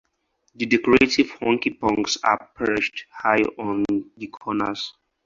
The decorative "hunky-punks" are perched high on the corners.